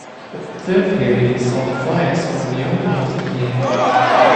The third period saw the Flyers score the only goals of the game.